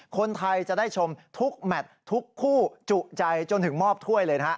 คนไทยจะได้ชมทุกแมททุกคู่จุใจจนถึงมอบถ้วยเลยนะฮะ